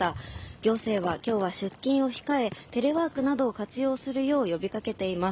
行政は、今日は出勤を控えテレワークなどを活用するよう呼びかけています。